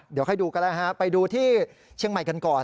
เดี๋ยวค่อยดูกันนะครับไปดูที่เชียงใหม่กันก่อน